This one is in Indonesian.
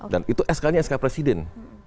dan itu skp presiden